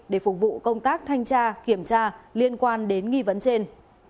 để phục vụ công tác thanh tra kiểm tra liên quan đến nghi vấn trên